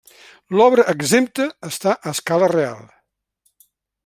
L'obra exempta està a escala real.